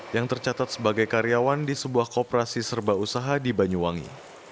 yang tercatat sebagai karyawan di sebuah kooperasi serba usaha di banyuwangi